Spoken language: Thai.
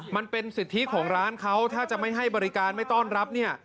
มันเป็นสิทธิของร้านเขาถ้าจะไม่ให้บริการไม่ต้อนรับเนี่ย